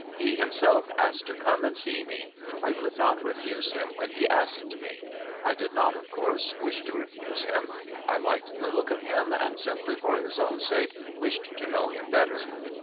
He himself asked to come and see me. I could not refuse him when he asked me. I did not, of course, wish to refuse him. I liked the look of him, and simply for his own sake wished to know him better.